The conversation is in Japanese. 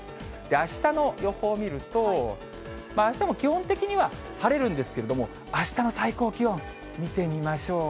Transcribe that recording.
あしたの予報を見ると、あしたも基本的には、晴れるんですけれども、あしたの最高気温、見てみましょう。